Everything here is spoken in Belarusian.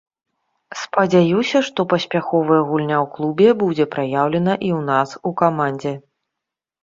Спадзяюся, што паспяховая гульня ў клубе будзе праяўлена і ў нас у камандзе.